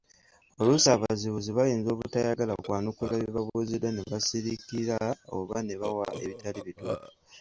Oluusi abazibuzi bayinza obutayagala kwanukula bibabuuzibwa ne babisirikira oba ne bawa eitali bituufu.